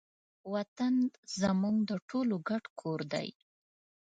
وطن زموږ د ټولو ګډ کور دی.